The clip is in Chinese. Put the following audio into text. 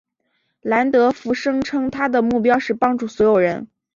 兰德福声称他的目标是帮助所有人。